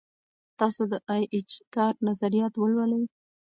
تاسو د ای اېچ کار نظریات ولولئ.